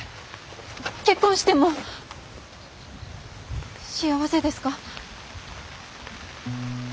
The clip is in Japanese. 結婚しても幸せですか？